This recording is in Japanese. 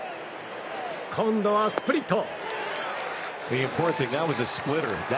今度はスプリット。